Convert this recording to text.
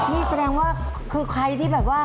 นี่แสดงว่าคือใครที่แบบว่า